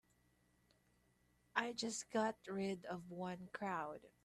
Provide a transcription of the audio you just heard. I just got rid of one crowd.